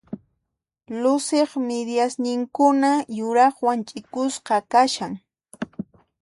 Luciq midiasninkuna yuraqwan ch'ikusqa kashan.